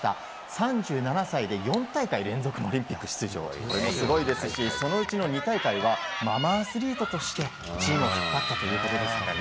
３７歳で４大会連続のオリンピック出場もすごいですしそのうちの２大会はママアスリートとしてチームを引っ張ったということですからね。